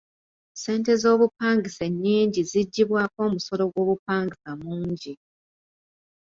Ssente z'obupangisa ennyingi ziggyibwako omusolo gw'obupangisa mungi.